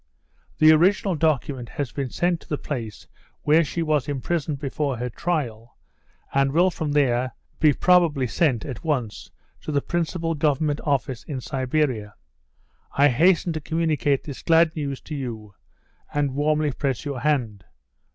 The original document has been sent to the place where she was imprisoned before her trial, and will from there he probably sent at once to the principal Government office in Siberia. I hasten to communicate this glad news to you and warmly press your hand.